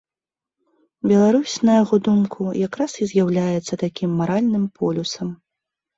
Беларусь, на яго думку, якраз і з'яўляецца такім маральным полюсам.